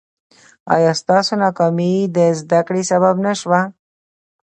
ایا ستاسو ناکامي د زده کړې سبب نه شوه؟